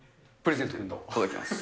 届きます。